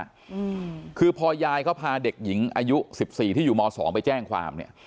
อืมคือพอยายเขาพาเด็กหญิงอายุสิบสี่ที่อยู่มสองไปแจ้งความเนี้ย